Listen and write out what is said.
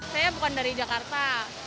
saya bukan dari jakarta